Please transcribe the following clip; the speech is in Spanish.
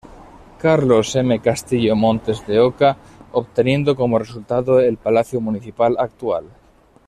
Carlos M. Castillo Montes de Oca, obteniendo como resultado el palacio municipal actual.